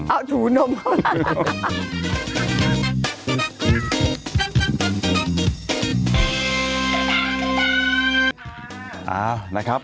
เออเอาถูนมเข้าแล้วกัน